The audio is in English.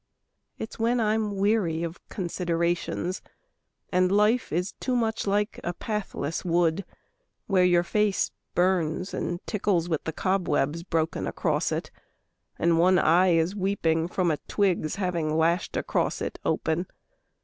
It's when I'm weary of considerations, And life is too much like a pathless wood Where your face burns and tickles with the cobwebs Broken across it, and one eye is weeping From a twig's having lashed across it open.